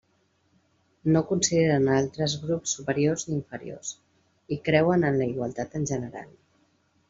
No consideren a altres grups superiors ni inferiors, i creuen en la igualtat en general.